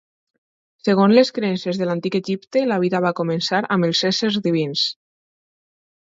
Segons les creences de l'Antic Egipte, la vida va començar amb els éssers divins.